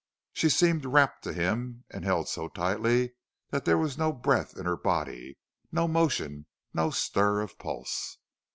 She seemed wrapped to him and held so tightly there was no breath in her body, no motion, no stir of pulse.